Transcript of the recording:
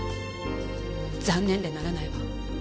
残念でならないわ。